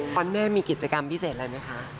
วันแม่มีกิจกรรมพิเศษอะไรไหมคะ